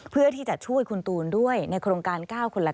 เพื่อที่จะช่วยคุณตูนด้วยในโครงการ๙คนละ๙